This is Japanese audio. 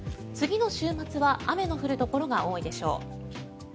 次の週末は雨の降るところが多いでしょう。